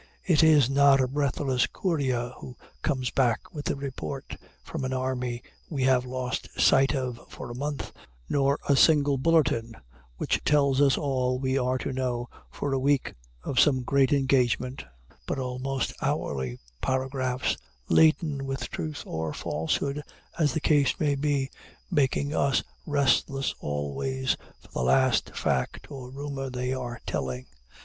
It is not a breathless courier who comes back with the report from an army we have lost sight of for a month, nor a single bulletin which tells us all we are to know for a week of some great engagement, but almost hourly paragraphs, laden with truth or falsehood as the case may be, making us restless always for the last fact or rumor they are telling.